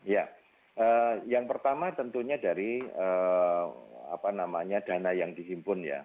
ya yang pertama tentunya dari dana yang dihimpun ya